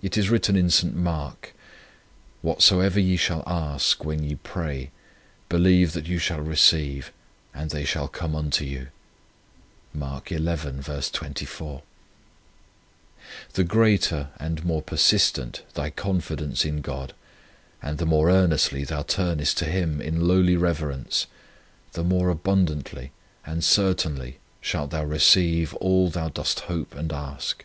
1 It is written in St. Mark :" Whatsoever ye shall ask when ye pray, believe that you shall receive, and they shall come unto you." 2 The greater and more persistent thy confidence in God, and the more earnestly thou turnest to Him in lowly reverence, the more abundantly and certainly shalt thou receive all thou dost hope and ask.